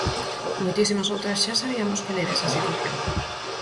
Moitísimas outras xa sabiamos cal era esa situación.